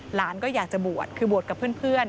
หลานก็อยากจะบวชคือบวชกับเพื่อน